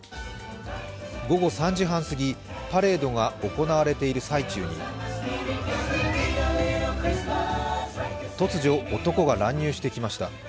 午後３時半すぎ、パレードが行われている最中に突如、男が乱入してきました。